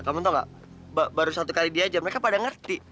kamu tau gak baru satu kali dia aja mereka pada ngerti